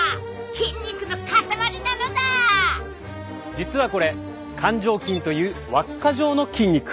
実はこれ環状筋という輪っか状の筋肉。